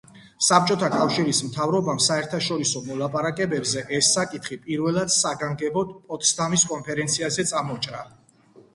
საბჭოთა კავშირის მთავრობამ საერთაშორისო მოლაპარაკებებზე ეს საკითხი პირველად საგანგებოდ პოტსდამის კონფერენციაზე წამოჭრა.